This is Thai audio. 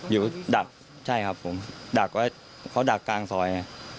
อยู่ดักใช่ครับผมดักไว้เขาดักกลางซอย